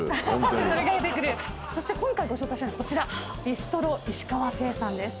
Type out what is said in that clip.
そして今回ご紹介したいのこちらビストロ石川亭さんです。